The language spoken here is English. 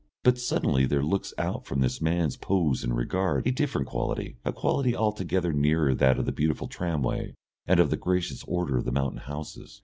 But suddenly there looks out from this man's pose and regard a different quality, a quality altogether nearer that of the beautiful tramway and of the gracious order of the mountain houses.